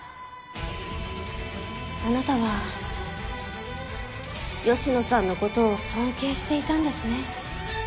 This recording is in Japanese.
あなたは芳野さんのことを尊敬していたんですね。